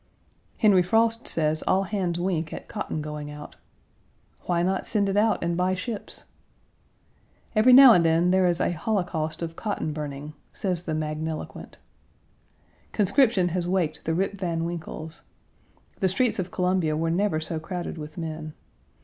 Henry Frost says all hands wink at cotton going out. Why not send it out and buy ships? "Every now and then there is a holocaust of cotton burning," says the magniloquent. Conscription has waked the Rip Van Winkles. The streets of Columbia were never so crowded with men.